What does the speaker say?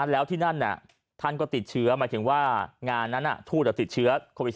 แล้วที่นั่นท่านก็ติดเชื้อหมายถึงว่างานนั้นทูตติดเชื้อโควิด๑